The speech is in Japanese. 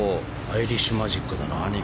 アイリッシュマジックだな。